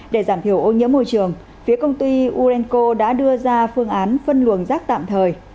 để giảm thiểu ô nhiễm môi trường phía công ty urenco đã đưa ra phương án phân luồng rác tạm thời